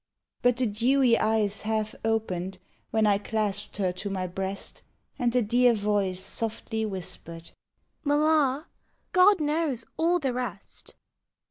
But the dewy eyes half opened When I clasped her to my breast, And the dear voice softly whispered, " Mamma, God knows all the rest."